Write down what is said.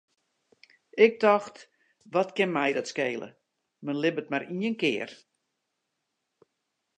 Ik tocht, wat kin my dat skele, men libbet mar ien kear.